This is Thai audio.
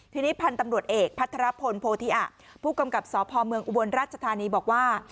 ทีนี้พันธุ์ตำรวจเอกพัทรพลโพธิอะผู้กำกับสพเมืองอุบลราชธานีบอกว่า